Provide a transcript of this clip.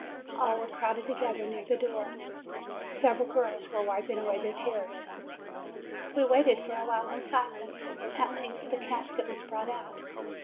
All were crowded together near the door. Several girls were wiping away their tears. We waited for a while in silence. At length the casket was brought out.